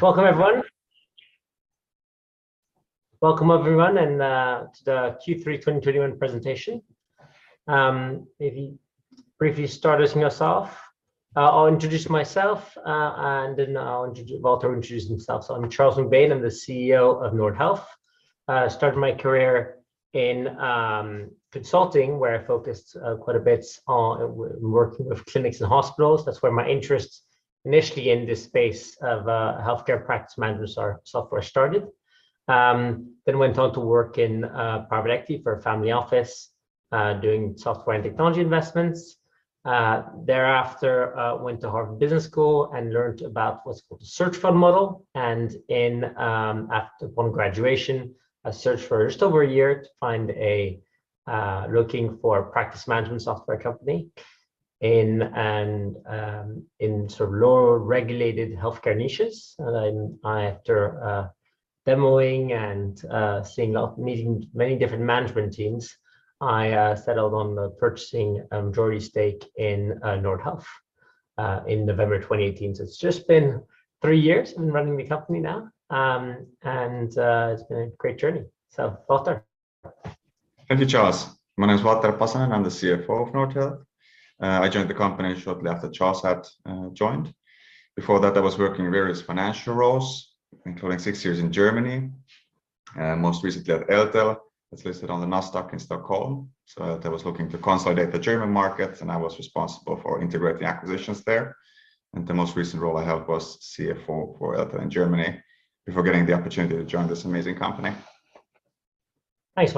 Welcome everyone to the Q3 2021 presentation. Maybe briefly start introducing yourself. I'll introduce myself, and then Valter will introduce himself. I'm Charles MacBain. I'm the CEO of Nordhealth. Started my career in consulting, where I focused quite a bit on working with clinics and hospitals. That's where my interest initially in this space of healthcare practice managers or software started. Went on to work in private equity for a family office, doing software and technology investments. Thereafter, went to Harvard Business School and learned about what's called the search fund model. Upon graduation, I searched for just over a year, looking for a practice management software company in sort of lower regulated healthcare niches. and seeing or meeting many different management teams, I settled on the purchasing a majority stake in Nordhealth in November 2018. It's just been three years I've been running the company now, and it's been a great journey. Valter. Thank you, Charles. My name is Valter Pasanen. I'm the CFO of Nordhealth. I joined the company shortly after Charles had joined. Before that, I was working various financial roles, including six years in Germany, and most recently at Eltel. It's listed on Nasdaq Stockholm. Eltel was looking to consolidate the German markets, and I was responsible for integrating acquisitions there. The most recent role I held was CFO for Eltel in Germany before getting the opportunity to join this amazing company. Thanks,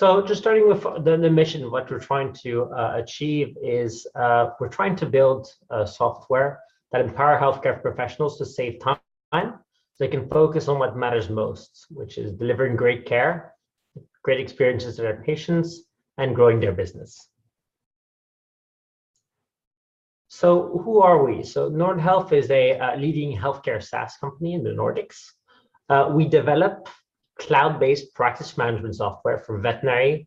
Valter. Just starting with the mission, what we're trying to achieve is we're trying to build a software that empower healthcare professionals to save time, so they can focus on what matters most, which is delivering great care, great experiences to their patients, and growing their business. Who are we? Nordhealth is a leading healthcare SaaS company in the Nordics. We develop cloud-based practice management software for veterinary,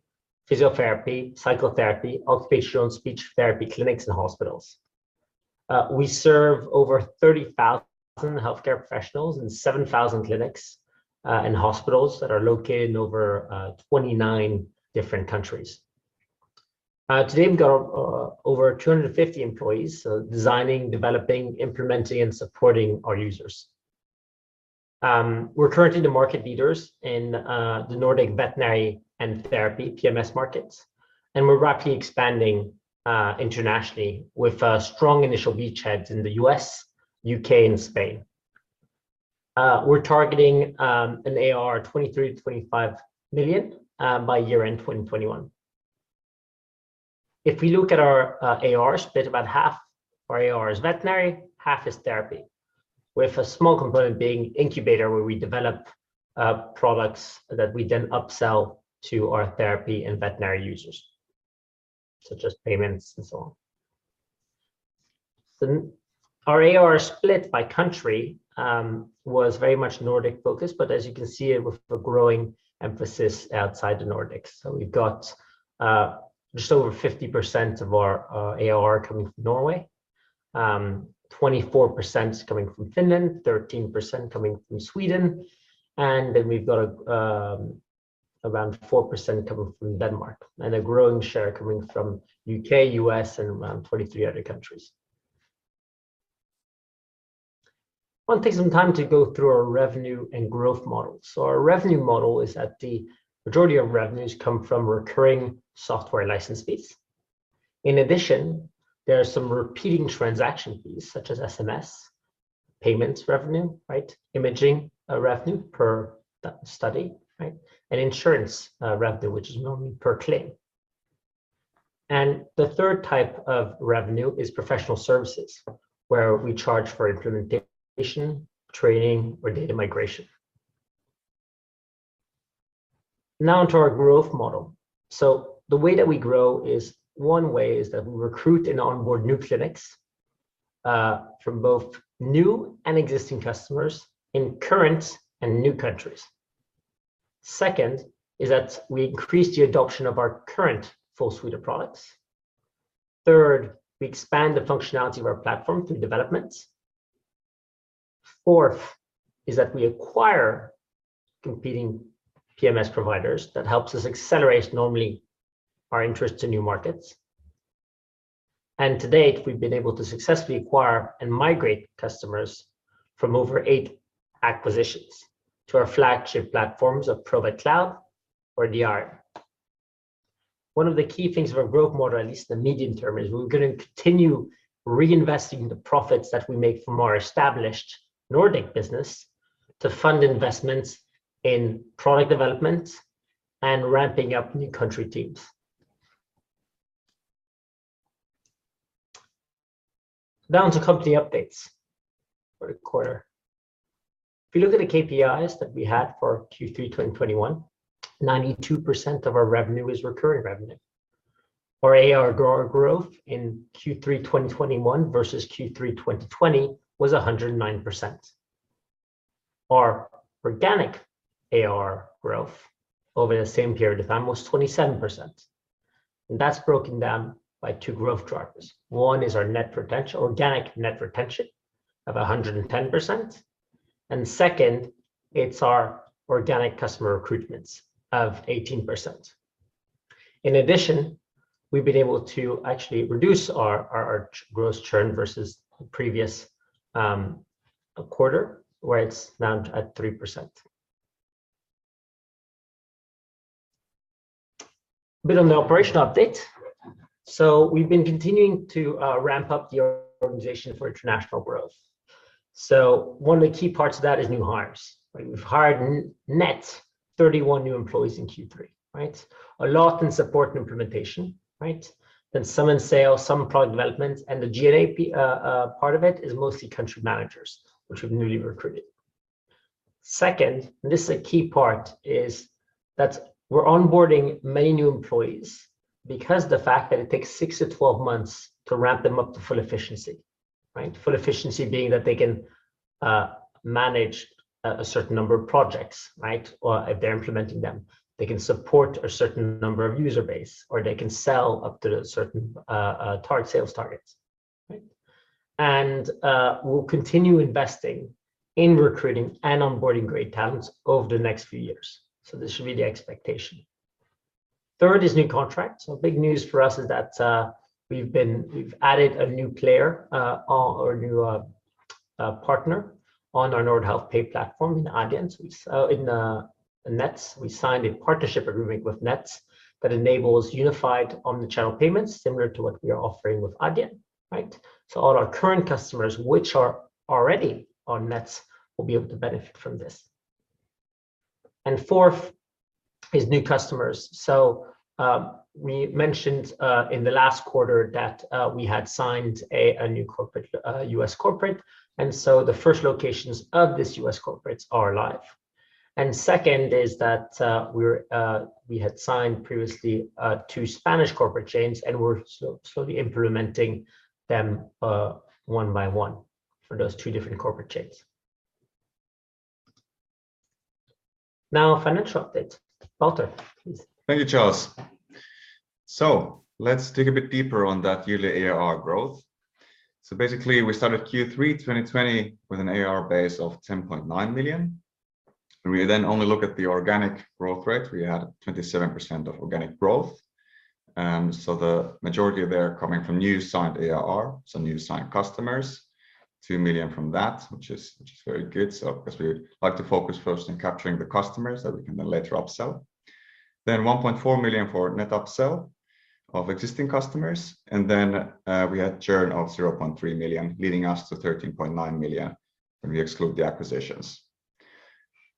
physiotherapy, psychotherapy, occupational and speech therapy clinics and hospitals. We serve over 30,000 healthcare professionals in 7,000 clinics and hospitals that are located in over 29 different countries. Today, we've got over 250 employees, so designing, developing, implementing, and supporting our users. We're currently the market leaders in the Nordic veterinary and therapy PMS markets, and we're rapidly expanding internationally with a strong initial beachheads in the U.S., U.K., and Spain. We're targeting an AR 23 million-25 million by year-end 2021. If we look at our AR split, about half our AR is veterinary, half is therapy, with a small component being incubator, where we develop products that we then upsell to our therapy and veterinary users, such as payments and so on. Our AR split by country was very much Nordic-focused, but as you can see, with a growing emphasis outside the Nordics. We've got just over 50% of our AR coming from Norway, 24% coming from Finland, 13% coming from Sweden, and then we've got around 4% coming from Denmark, and a growing share coming from U.K., U.S., and around 43 other countries. Wanna take some time to go through our revenue and growth model. Our revenue model is that the majority of revenues come from recurring software license fees. In addition, there are some repeating transaction fees such as SMS, payments revenue, right, imaging revenue per study, right, and insurance revenue, which is normally per claim. The third type of revenue is professional services, where we charge for implementation, training, or data migration. Now onto our growth model. The way that we grow is one way is that we recruit and onboard new clinics from both new and existing customers in current and new countries. Second is that we increase the adoption of our current full suite of products. Third, we expand the functionality of our platform through developments. Fourth is that we acquire competing PMS providers. That helps us accelerate normally our interest to new markets. To date, we've been able to successfully acquire and migrate customers from over eight acquisitions to our flagship platforms of Provet Cloud or Diarium. One of the key things of our growth model, at least in the medium term, is we're gonna continue reinvesting the profits that we make from our established Nordic business to fund investments in product development and ramping up new country teams. Now on to company updates for the quarter. If you look at the KPIs that we had for Q3 2021, 92% of our revenue is recurring revenue. Our AR growth in Q3 2021 versus Q3 2020 was 109%. Our organic AR growth over the same period of time was 27%, and that's broken down by two growth drivers. One is our net retention, organic net retention of 110%, and second, it's our organic customer recruitments of 18%. In addition, we've been able to actually reduce our gross churn versus the previous quarter, where it's now at 3%. Bit on the operational update. We've been continuing to ramp up the organization for international growth. One of the key parts of that is new hires, right? We've hired net 31 new employees in Q3, right? A lot in support and implementation, right? Some in sales, some in product development, and the G&A part of it is mostly country managers, which we've newly recruited. Second, this is a key part, is that we're onboarding many new employees because the fact that it takes six to 12 months to ramp them up to full efficiency, right? Full efficiency being that they can manage a certain number of projects, right? Or if they're implementing them, they can support a certain number of user base, or they can sell up to certain sales targets. Right? We'll continue investing in recruiting and onboarding great talents over the next few years. This should be the expectation. Third is new contracts. Big news for us is that we've added a new player or a new partner on our Nordhealth Pay platform with Adyen. It's with Nets. We signed a partnership agreement with Nets that enables unified omnichannel payments similar to what we are offering with Adyen, right? All our current customers which are already on Nets will be able to benefit from this. And for the new customers, we mentioned in the last quarter that we had signed a new U.S. corporate, and the first locations of this U.S. corporate are live. And second is that we had signed previously two Spanish corporate chains, and we're slowly implementing them one by one for those two different corporate chains. Now, financial update. Valter, please. Thank you, Charles. Let's dig a bit deeper on that yearly ARR growth. Basically, we started Q3 2020 with an ARR base of 10.9 million. We then only look at the organic growth rate. We had 27% organic growth. The majority of there coming from new signed ARR, so new signed customers, 2 million from that, which is very good. Because we like to focus first on capturing the customers that we can then later upsell. 1.4 million for net upsell of existing customers. We had churn of 0.3 million, leading us to 13.9 million when we exclude the acquisitions.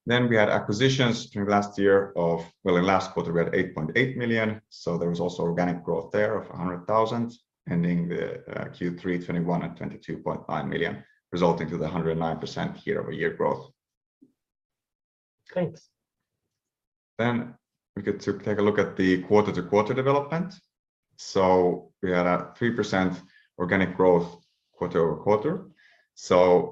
We had acquisitions during last year of, well, in last quarter, we had 8.8 million. There was also organic growth there of 100,000, ending the Q3 2021 at 22.5 million, resulting in the 109% year-over-year growth. Thanks. We get to take a look at the quarter-over-quarter development. We had a 3% organic growth quarter-over-quarter.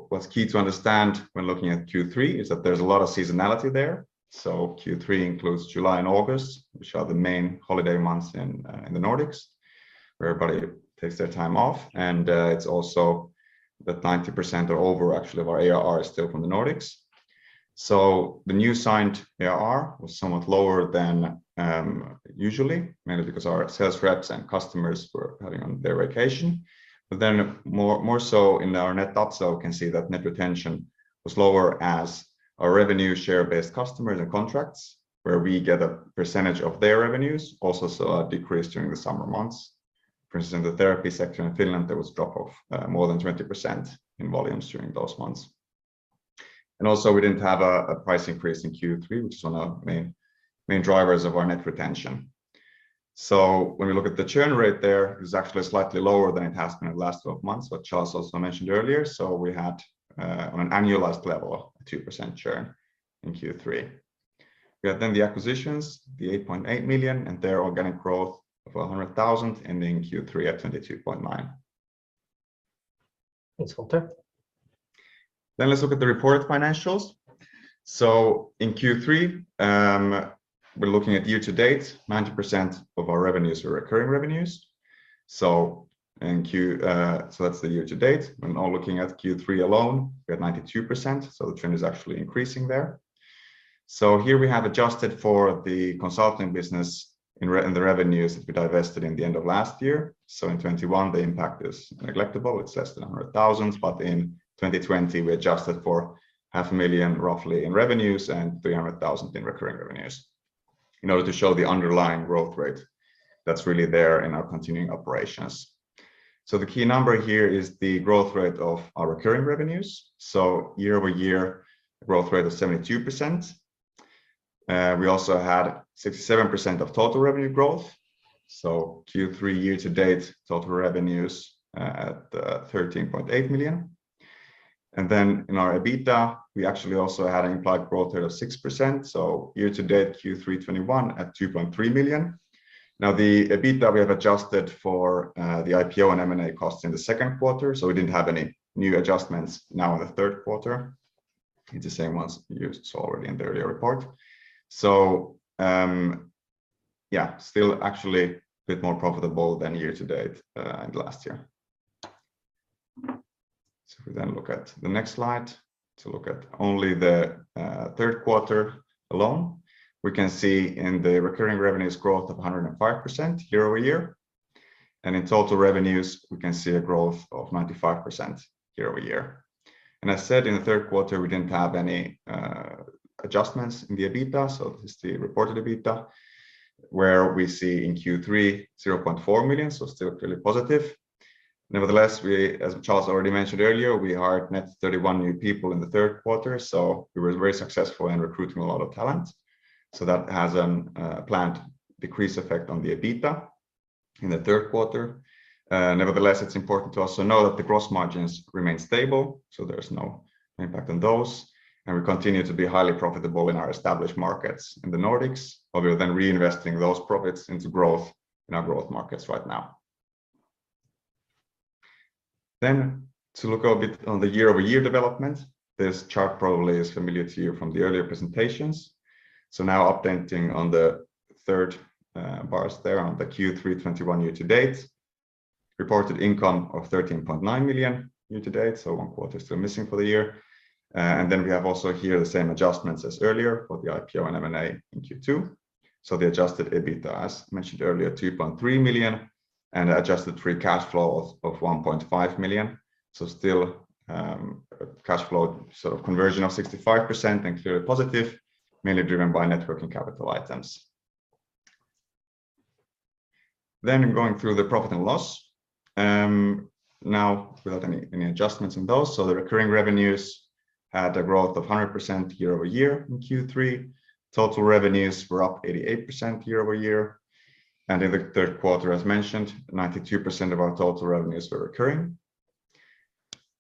What's key to understand when looking at Q3 is that there's a lot of seasonality there. Q3 includes July and August, which are the main holiday months in the Nordics, where everybody takes their time off. It's also that 90% or over actually of our ARR is still from the Nordics. The new signed ARR was somewhat lower than usually, mainly because our sales reps and customers were having on their vacation. More so in our net upsell, we can see that net retention was lower as our revenue share-based customers and contracts, where we get a percentage of their revenues, also saw a decrease during the summer months. For instance, in the therapy sector in Finland, there was a drop of more than 20% in volumes during those months. Also, we didn't have a price increase in Q3, which is one of the main drivers of our net retention. When we look at the churn rate there, it's actually slightly lower than it has been in the last 12 months, what Charles also mentioned earlier. We had on an annualized level, a 2% churn in Q3. We have then the acquisitions, the 8.8 million, and their organic growth of 100,000 ending Q3 at 22.9 million. Thanks, Valter. Let's look at the reported financials. In Q3, we're looking at year-to-date, 90% of our revenues are recurring revenues. That's the year to date. When only looking at Q3 alone, we had 92%, so the trend is actually increasing there. Here we have adjusted for the consulting business in the revenues that we divested at the end of last year. In 2021, the impact is negligible. It's less than 100,000. In 2020, we adjusted for 500,000 roughly in revenues and 300,000 in recurring revenues in order to show the underlying growth rate that's really there in our continuing operations. The key number here is the growth rate of our recurring revenues. Year-over-year growth rate of 72%. We also had 67% of total revenue growth. Q3 year to date, total revenues at 13.8 million. In our EBITDA, we actually also had an implied growth rate of 6%. Year to date, Q3 2021 at 2.3 million. Now, the EBITDA we have adjusted for the IPO and M&A costs in the second quarter, so we didn't have any new adjustments now in the third quarter. It's the same ones used already in the earlier report. Still actually a bit more profitable than year to date and last year. If we then look at the next slide to look at only the third quarter alone, we can see in the recurring revenues growth of 105% year-over-year. In total revenues, we can see a growth of 95% year-over-year. I said, in the third quarter, we didn't have any adjustments in the EBITDA, so this is the reported EBITDA, where we see in Q3, 0.4 million, so still clearly positive. Nevertheless, we, as Charles already mentioned earlier, we hired net 31 new people in the third quarter, so we were very successful in recruiting a lot of talent. That has planned decrease effect on the EBITDA in the third quarter. Nevertheless, it's important to also know that the gross margins remain stable, so there's no impact on those, and we continue to be highly profitable in our established markets in the Nordics. We are then reinvesting those profits into growth in our growth markets right now. To look a bit on the year-over-year development, this chart probably is familiar to you from the earlier presentations. Now updating on the third bars there on the Q3 2021 year to date, reported income of 13.9 million year to date, one quarter still missing for the year. We have also here the same adjustments as earlier for the IPO and M&A in Q2. The adjusted EBITDA, as mentioned earlier, 2.3 million, and adjusted free cash flow of 1.5 million. Still, cash flow sort of conversion of 65% and clearly positive, mainly driven by net working capital items. Going through the profit and loss, now without any adjustments in those. The recurring revenues had a growth of 100% year-over-year in Q3. Total revenues were up 88% year-over-year. In the third quarter, as mentioned, 92% of our total revenues were recurring.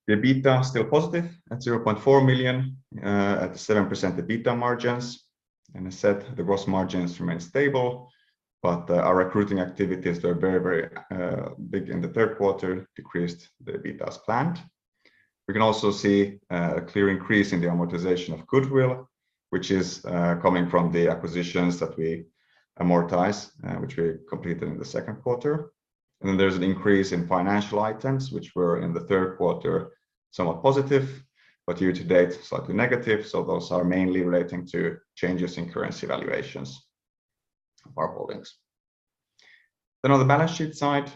The EBITDA still positive at 0.4 million, at 7% EBITDA margins. I said the gross margins remain stable, but our recruiting activities that are very big in the third quarter decreased the EBITDA as planned. We can also see a clear increase in the amortization of goodwill, which is coming from the acquisitions that we amortize, which we completed in the second quarter. There's an increase in financial items which were in the third quarter, somewhat positive, but year-to-date, slightly negative. Those are mainly relating to changes in currency valuations of our holdings. On the balance sheet side,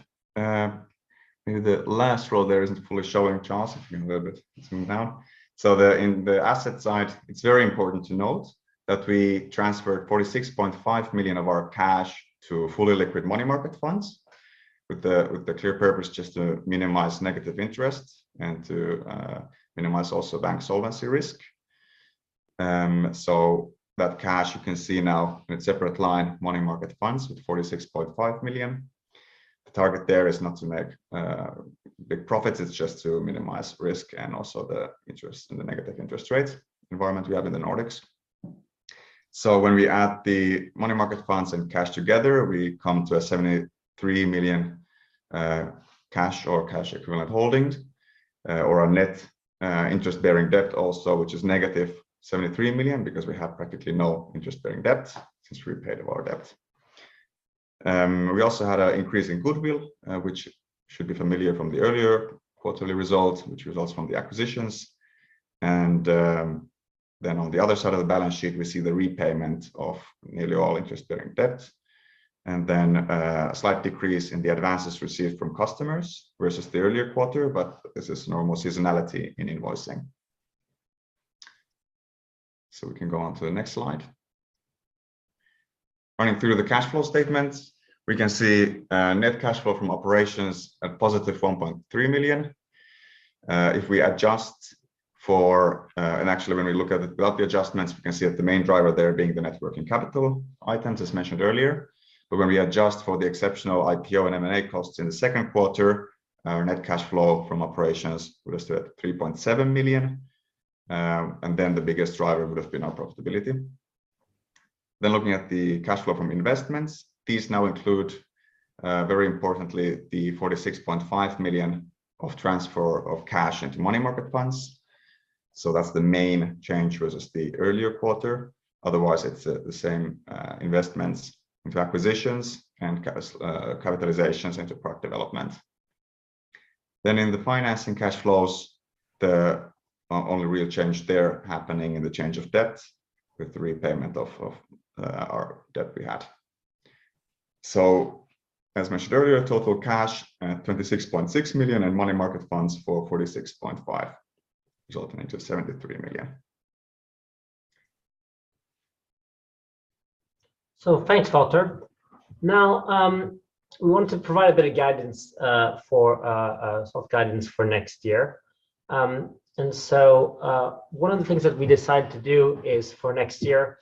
maybe the last row there isn't fully showing, Charles, if you can a little bit zoom out. In the asset side, it's very important to note that we transferred 46.5 million of our cash to fully liquid money market funds with the clear purpose just to minimize negative interest and to minimize also bank solvency risk. That cash you can see now in a separate line, money market funds with 46.5 million. The target there is not to make big profits, it's just to minimize risk and also the interest in the negative interest rates environment we have in the Nordics. When we add the money market funds and cash together, we come to 73 million cash or cash equivalent holdings or a net interest-bearing debt also, which is negative 73 million because we have practically no interest-bearing debt since we paid off our debt. We also had an increase in goodwill, which should be familiar from the earlier quarterly results, which results from the acquisitions. On the other side of the balance sheet, we see the repayment of nearly all interest-bearing debt, and then a slight decrease in the advances received from customers versus the earlier quarter, but this is normal seasonality in invoicing. We can go on to the next slide. Running through the cash flow statements, we can see net cash flow from operations at positive 1.3 million. If we adjust for... Actually, when we look at it without the adjustments, we can see that the main driver there being the net working capital items as mentioned earlier. But when we adjust for the exceptional IPO and M&A costs in the second quarter, our net cash flow from operations would have stood at 3.7 million. And then the biggest driver would have been our profitability. Looking at the cash flow from investments, these now include, very importantly, the 46.5 million of transfer of cash into money market funds. So that's the main change versus the earlier quarter. Otherwise, it's the same investments into acquisitions and capitalizations into product development. In the financing cash flows, the only real change there happening in the change of debt with the repayment of our debt we had. As mentioned earlier, total cash at 26.6 million and money market funds of 46.5 million, resulting in EUR 73 million. Thanks, Valter. Now, we want to provide a bit of sort of guidance for next year. One of the things that we decided to do is for next year,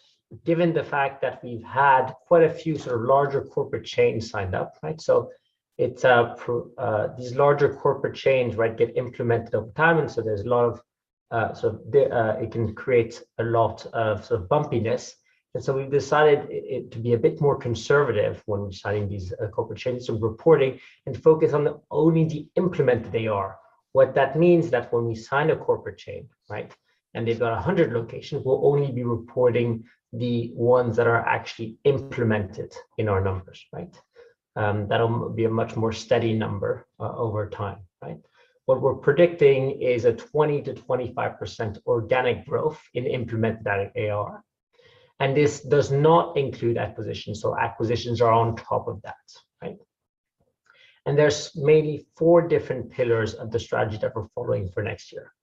given the fact that we've had quite a few sort of larger corporate chains signed up, right? These larger corporate chains, right, get implemented over time, and it can create a lot of sort of bumpiness. We've decided to be a bit more conservative when we're signing these corporate chains. We're reporting and focusing on only the implemented ones. What that means is that when we sign a corporate chain, right, and they've got 100 locations, we'll only be reporting the ones that are actually implemented in our numbers, right? That'll be a much more steady number over time, right? What we're predicting is 20%-25% organic growth in implemented AR, and this does not include acquisitions. Acquisitions are on top of that, right? There's mainly four different pillars of the strategy that we're following for next year.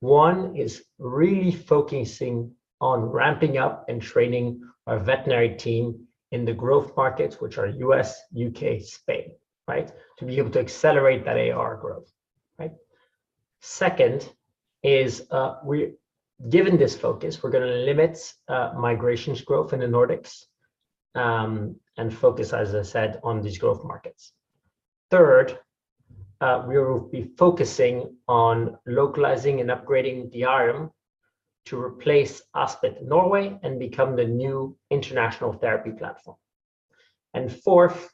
One is really focusing on ramping up and training our veterinary team in the growth markets, which are U.S., U.K., Spain, right, to be able to accelerate that AR growth. Right? Second is, given this focus, we're gonna limit migrations growth in the Nordics and focus, as I said, on these growth markets. Third, we will be focusing on localizing and upgrading the IRM to replace Aspit Norway and become the new international therapy platform. Fourth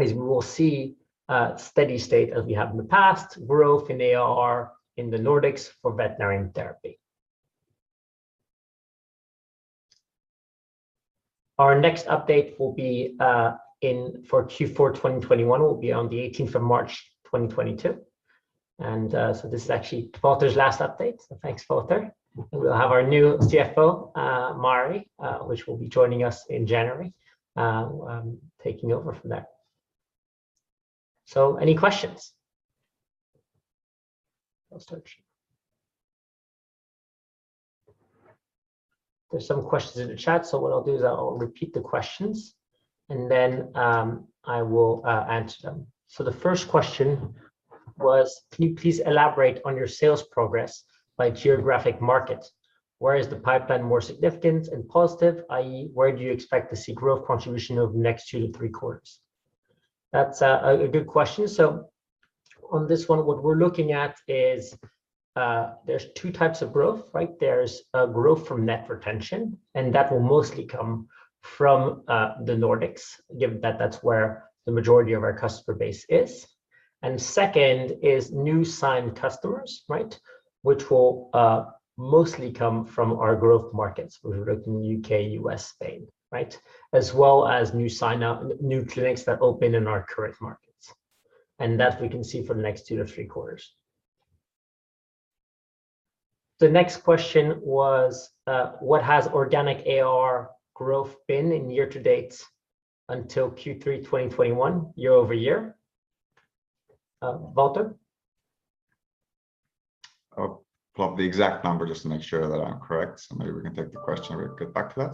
is we will see a steady state, as we have in the past, growth in AR in the Nordics for veterinary therapy. Our next update will be for Q4 2021, will be on the 18th of March 2022. This is actually Valter's last update. Thanks, Valter. We'll have our new CFO, Mari, which will be joining us in January, taking over from there. Any questions? I'll search. There's some questions in the chat, what I'll do is I'll repeat the questions, and then I will answer them. The first question was, can you please elaborate on your sales progress by geographic market? Where is the pipeline more significant and positive, i.e., where do you expect to see growth contribution over the next two to three quarters? That's a good question. What we're looking at is, there's two types of growth, right? There's a growth from net retention, and that will mostly come from the Nordics, given that that's where the majority of our customer base is. Second is new signed customers, right? Which will mostly come from our growth markets. We're looking U.K., U.S., Spain, right? As well as new clinics that open in our current markets. That we can see for the next two to three quarters. The next question was, what has organic AR growth been in year-to-date until Q3 2021, year-over-year? Valter? I'll pull up the exact number just to make sure that I'm correct. Maybe we can take the question, and we'll get back to that.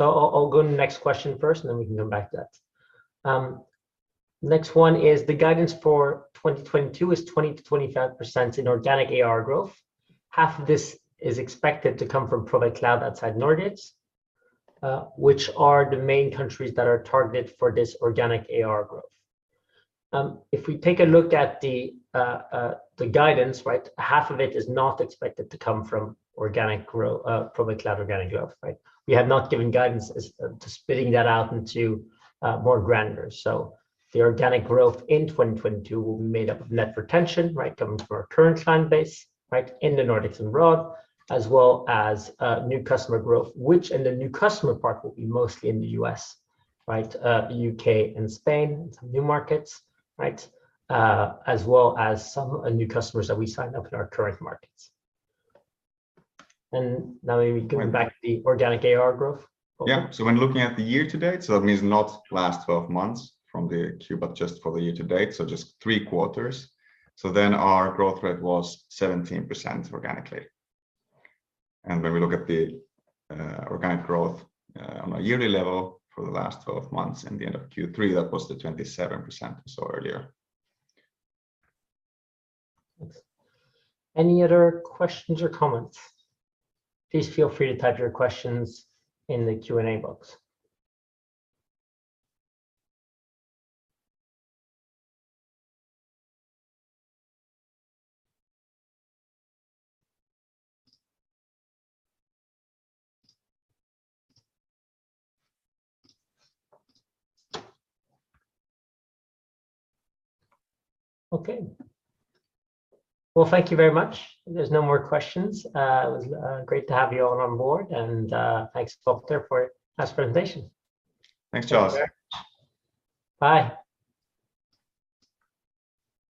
I'll go to the next question first, and then we can come back to that. Next one is the guidance for 2022 is 20%-25% in organic AR growth. Half of this is expected to come from Provet Cloud outside Nordics. Which are the main countries that are targeted for this organic AR growth? If we take a look at the guidance, right, half of it is not expected to come from organic growth, Provet Cloud organic growth, right? We have not given guidance as to splitting that out into more granular. The organic growth in 2022 will be made up of net retention, right, coming from our current client base, right, in the Nordics and abroad, as well as new customer growth, which in the new customer part will be mostly in the U.S., right, U.K. and Spain, some new markets, right, as well as some new customers that we sign up in our current markets. Now maybe coming back to the organic AR growth. When looking at the year to date, that means not last 12 months from the Q, but just for the year to date, just three quarters. Our growth rate was 17% organically. When we look at the organic growth on a yearly level for the last 12 months and the end of Q3, that was the 27% we saw earlier. Any other questions or comments? Please feel free to type your questions in the Q&A box. Okay. Well, thank you very much. There's no more questions. It was great to have you all on board. Thanks, Valter, for your nice presentation. Thanks, Charles. Bye.